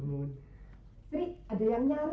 sri ada yang nyari